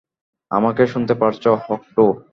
আমাকে শুনতে পারছ, হক-টু।